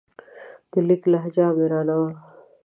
د لیک لهجه آمرانه وه.